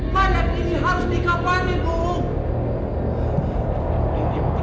mayat ini harus dikapal ini bu